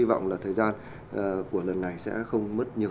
những cái tài khoản của những cái tổ chức này